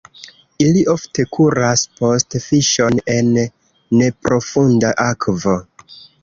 Ili ofte kuras post fiŝon en neprofunda akvo.